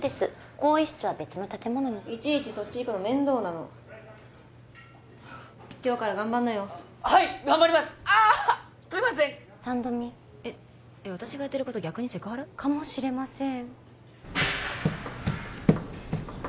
更衣室は別の建物にいちいちそっち行くの面倒なの今日から頑張んなよはい頑張りますあっすいません三度見えっ私がやってること逆にセクハラ？かもしれません